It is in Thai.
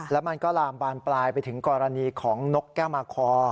แล้วมันก็ลามบานปลายไปถึงกรณีของนกแก้วมาคอ